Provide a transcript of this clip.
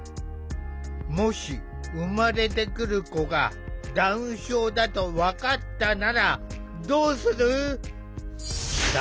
もし生まれてくる子がダウン症だと分かったならどうする？